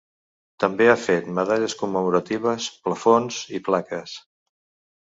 També ha fet medalles commemoratives, plafons i plaques.